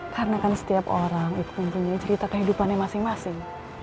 karena kan setiap orang itu mempunyai cerita kehidupannya masing masing